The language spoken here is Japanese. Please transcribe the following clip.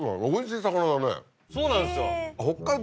そうなんですよ。